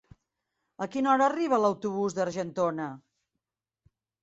A quina hora arriba l'autobús d'Argentona?